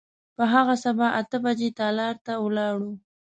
په هغه سبا اته بجې تالار ته ولاړو.